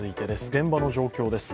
現場の状況です。